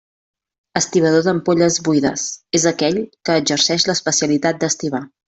Estibador d'ampolles buides: és aquell que exerceix l'especialitat d'estibar.